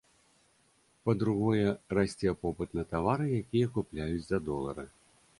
Па-другое, расце попыт на тавары, якія купляюць за долары.